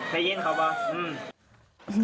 ให้เย็นเขาบอก